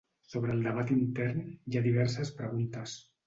Sobre el debat intern, hi ha diverses preguntes.